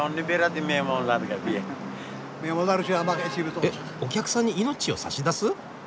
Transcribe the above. えお客さんに命を差し出す？